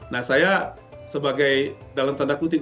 nah saya sebagai dalam tanda kutip